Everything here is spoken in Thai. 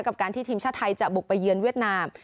กับการที่ทีมชาติไทยจะบุกไปเยือนเวียดนาม